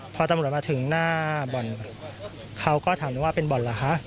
พอตำรวจมาถึงหน้าบ่อนเขาก็ถามได้ว่าเป็นบ่อนเหรอคะ